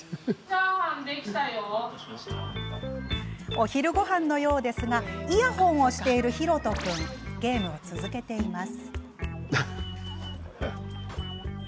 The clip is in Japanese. お昼ごはんのようですがイヤホンをしている、ひろと君ゲームを続けています。